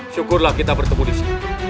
syukurlah kita bertemu disini